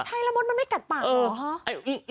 ใช่แล้วมดมันไม่กัดปากเหรอฮะ